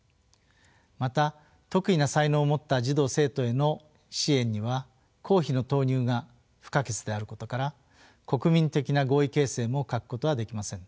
また特異な才能を持った児童生徒への支援には公費の投入が不可欠であることから国民的な合意形成も欠くことはできません。